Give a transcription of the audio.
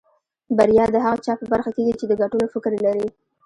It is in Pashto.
بريا د هغه چا په برخه کېږي چې د ګټلو فکر لري.